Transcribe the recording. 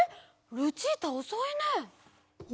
ルチータおそいね。